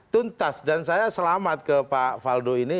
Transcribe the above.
tuntas dan saya selamat ke pak faldo ini